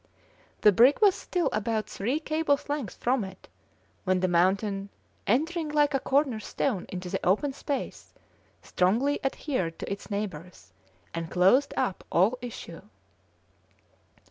The brig was still about three cables' length from it, when the mountain, entering like a corner stone into the open space, strongly adhered to its neighbours and closed up all issue.